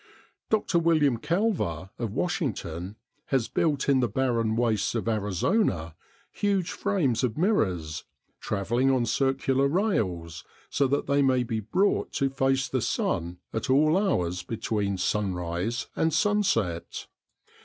Dr. William Calver, of Washington, has built in the barren wastes of Arizona huge frames of mirrors, travelling on circular rails, so that they may be brought to face the sun at all hours between sunrise and sunset.